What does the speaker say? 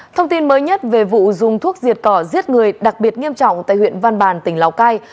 thông tin mới nhất về vụ dùng thuốc diệt cỏ giết người đặc biệt nghiêm trọng tại huyện văn bàn tỉnh lào cai